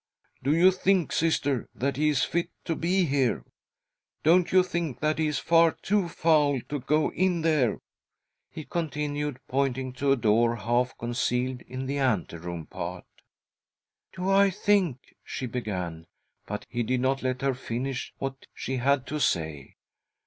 Do you think, Sister, that he is fit to be here ? Don't you think that he is far too foul to go in there ?" he continued, 1 1 ■•■.••■■ 72 THY SOUL SHALL BEAR WITNESS !. pointing to a door half concealed in the ante room part. " Do I think " she began, but he did not let her finish what she had to say.